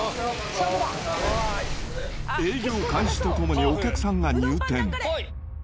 営業開始とともにお客さんが入店。